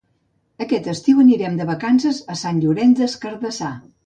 Aquest estiu anirem de vacances a Sant Llorenç des Cardassar.